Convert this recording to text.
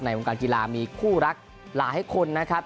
วงการกีฬามีคู่รักหลายคนนะครับ